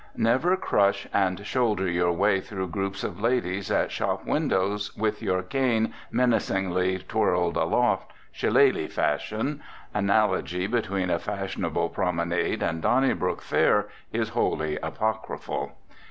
Never crush and shoulder your way through groups of ladies at shop windows, with your cane menacingly twirled aloft, shillelah fashion. Analogy between a fashionable promenade and Donnybrook Fair is wholly apocryphal.